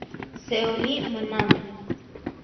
Seolí manáame.